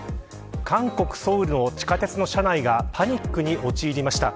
韓国・ソウルの地下鉄の車内がパニックに陥りました。